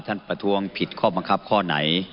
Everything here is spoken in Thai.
ประท้วงผิดข้อบังคับข้อไหน